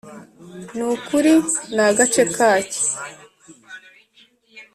nukuri ni agace kake.